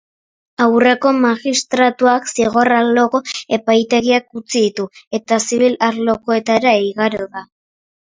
Aurreko magistratuak zigor arloko epaitegiak utzi ditu, eta zibil arlokoetara igaro da.